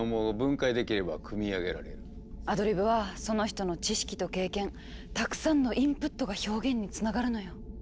アドリブはその人の知識と経験たくさんのインプットが表現につながるのよ。